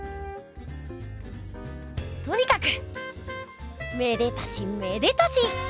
とにかくめでたしめでたし！